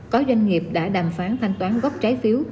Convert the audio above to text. có doanh nghiệp đã đàm phán thanh toán gốc trái phiếu